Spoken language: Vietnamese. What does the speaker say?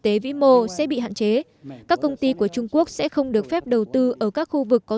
tế vĩ mô sẽ bị hạn chế các công ty của trung quốc sẽ không được phép đầu tư ở các khu vực có